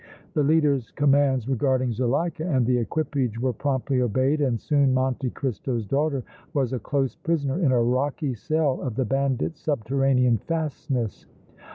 The leader's commands regarding Zuleika and the equipage were promptly obeyed, and soon Monte Cristo's daughter was a close prisoner in a rocky cell of the bandits' subterranean fastness.